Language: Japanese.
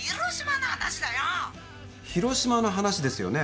広島の話ですよね？